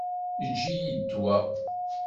Eǧǧ-iyi-d wa.